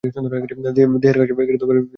দেহের কাছে দাড়াবে না।